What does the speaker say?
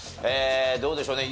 どうでしょうね？